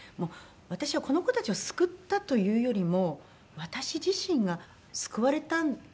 私はこの子たちを救ったというよりも私自身が救われたんじゃないかって。